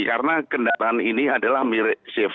karena kendaraan ini adalah mirip cv